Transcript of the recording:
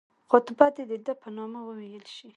خطبه دي د ده په نامه وویل شي.